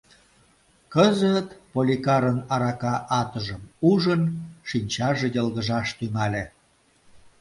Кызыт, Поликарын арака атыжым ужын, шинчаже йылгыжаш тӱҥале.